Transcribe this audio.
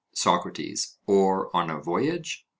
SOCRATES: Or on a voyage?